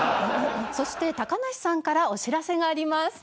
そして高梨さんからお知らせがあります。